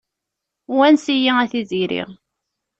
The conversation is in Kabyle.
Wanes-iyi a tiziri.